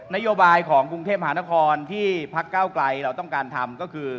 นโยบายของกรุงเทพหานครที่พักเก้าไกลเราต้องการทำก็คือ